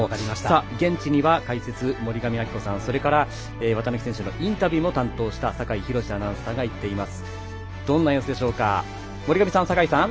現地には解説・森上亜希子さんそれから綿貫選手のインタビューも担当した酒井博司アナウンサーが行っています。